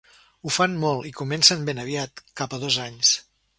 Ho fan molt, i comencen ben aviat, cap a dos anys.